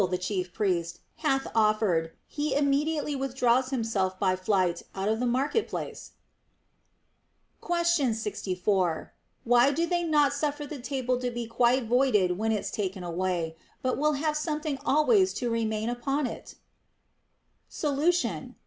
the chief priest) hath offered, he immediately withdraws himself by flight out of the market place. THE ROMAN QUESTIONS. 239 Question 64. Why do they not suffer the table to be quite voided when it's taken away, but will have something always to remain upon it] Solution.